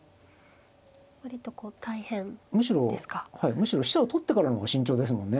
むしろ飛車を取ってからの方が慎重ですもんね。